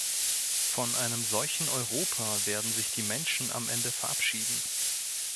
Von einem solchen Europa werden sich die Menschen am Ende verabschieden.